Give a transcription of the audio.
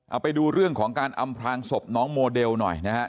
เอาไปดูเรื่องของการอำพลางศพน้องโมเดลหน่อยนะฮะ